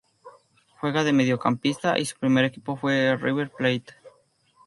Juega de mediocampista y su primer equipo fue River Plate.